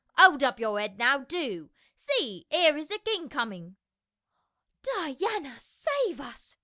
" Hold up your head now, do ! See, here is the king coming in." " Diana save us